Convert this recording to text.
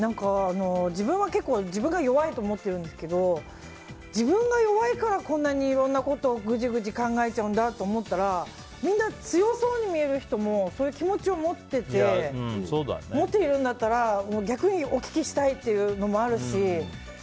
自分は結構、自分が弱いと思ってるんですけど自分が弱いからこんなにいろんなことをぐじぐじ考えちゃんだと思ったらみんな強そうに見える人もそういう気持ちを持ってて持っているんだったら逆にお聞きしたいというのもあるし。